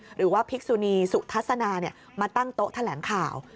หรือว่าพิกษุนีสุทัศนามาตั้งโต๊ะแถลงข่าว